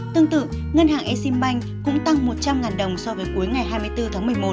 tương tự ngân hàng exim bank cũng tăng một trăm linh đồng so với cuối ngày hai mươi bốn tháng một mươi một